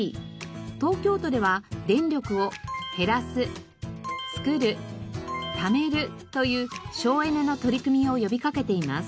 東京都では電力を「へらす」「つくる」「ためる」という省エネの取り組みを呼び掛けています。